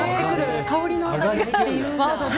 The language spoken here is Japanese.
香りの。